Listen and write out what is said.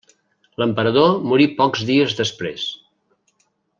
L'emperador morí pocs dies després.